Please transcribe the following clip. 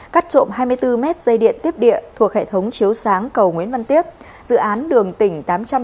cắt trộm hai mươi bốn mét dây điện tiếp địa thuộc hệ thống chiếu sáng cầu nguyễn văn tiếp dự án đường tỉnh tám trăm bảy mươi